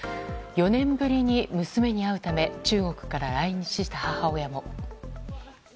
４年ぶりに娘に会うため中国から来日した母親も。